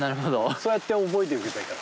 そうやって覚えていけばいいから。